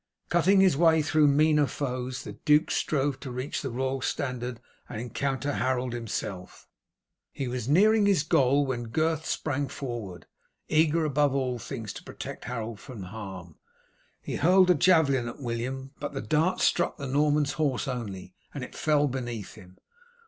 Cutting his way through meaner foes the duke strove to reach the royal standard and encounter Harold himself. He was nearing his goal, when Gurth sprang forward, eager above all things to protect Harold from harm. He hurled a javelin at William, but the dart struck the Norman's horse only, and it fell beneath him.